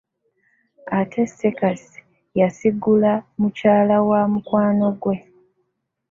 Ate Sekasi yasigula mukyala wa mukwano gwe.